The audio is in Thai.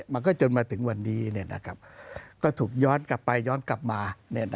มันก็จนมาถึงวันนี้ก็ถูกย้อนกลับไปย้อนกลับมา